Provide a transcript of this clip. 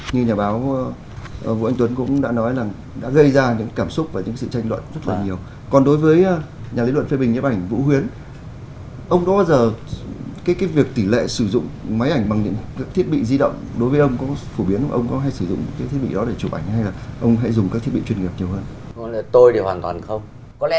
chúng ta cũng đã thấy rằng là như nhà báo vũ anh tuấn cũng đã nói là